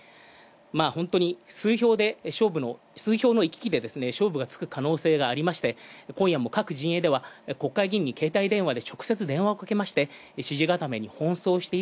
本当に数票の行き来で、勝負がつく可能性がありまして今夜も各陣営では国会議員に電話で直接電話をかけまして支持固めに奔走。